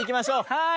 はい。